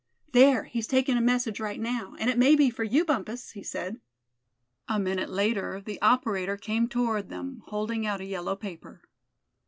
"There, he's taking a message right now, and it may be for you, Bumpus!" he said. A minute later, the operator came toward them, holding out a yellow paper.